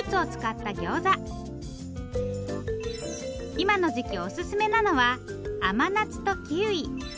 今の時期おすすめなのは甘夏とキウイ。